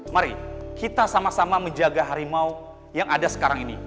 mari kita sama sama menjaga harimau yang ada sekarang ini